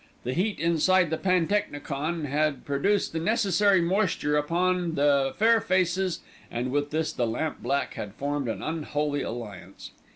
The heat inside the pantechnicon had produced the necessary moisture upon the fair faces and with this the lamp black had formed an unholy alliance.